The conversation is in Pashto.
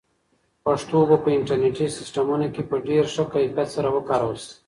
پښتو به په انټرنیټي سیسټمونو کې په ډېر ښه کیفیت سره وکارول شي.